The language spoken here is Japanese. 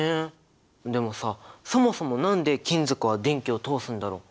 でもさそもそも何で金属は電気を通すんだろう？